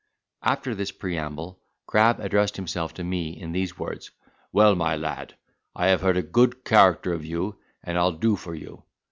After this preamble, Crab addressed himself to me in these words: "Well, my lad, I have heard a good character of you, and I'll do for you.